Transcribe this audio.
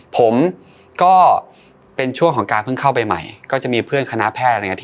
ผมก็เป็นช่วงของการเพิ่งเข้าไปใหม่ก็จะมีเพื่อนคณะแพทย์อะไรอย่างนี้